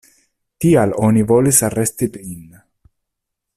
Tial oni volis aresti lin.